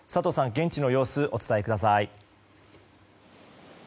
現地の様子をお伝えください。